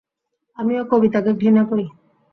আমিও কবিতাকে ঘৃণা করি।